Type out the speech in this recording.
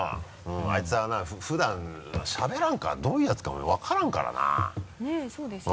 あいつはな普段しゃべらんからどういうやつかも分からんからなねぇそうですよね。